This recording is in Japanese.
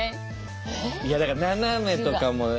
いやだから斜めとかも。